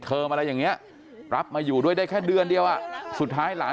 อะไรอย่างนี้รับมาอยู่ด้วยได้แค่เดือนเดียวอ่ะสุดท้ายหลาน